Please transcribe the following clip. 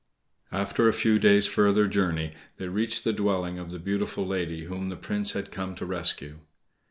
After a few day's further journey they reached the dwelling of the beautiful lady whom the Prince had come to rescue.